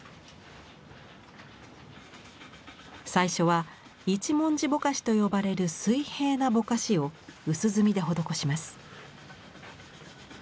最初は「一文字ぼかし」と呼ばれる水平なぼかしを薄墨で施します。